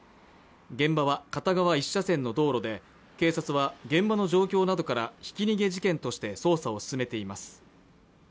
現場は片側１車線の道路で警察は現場の状況などからひき逃げ事件として捜査を進めています